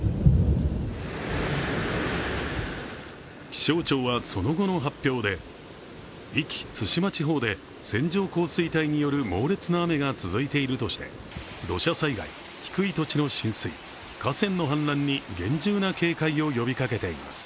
気象庁はその後の発表で、壱岐・対馬地方で線状降水帯による猛烈な雨が続いているとして、土砂災害、低い土地の浸水、河川の氾濫に厳重な警戒を呼びかけています。